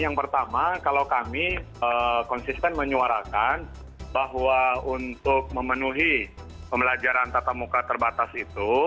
yang pertama kalau kami konsisten menyuarakan bahwa untuk memenuhi pembelajaran tatap muka terbatas itu